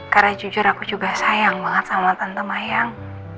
karena jujur aku juga sayang banget sama tante mayang